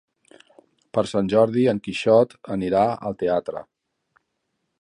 Per Sant Jordi en Quixot anirà al teatre.